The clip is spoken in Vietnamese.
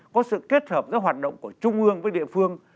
có sự kết hợp giữa hoạt động của trung ương với địa phương